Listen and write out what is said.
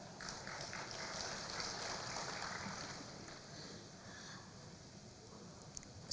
dan bapak a p batubara